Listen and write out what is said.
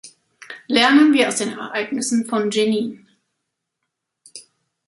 Lernen wir aus den Ereignissen von Dschenin.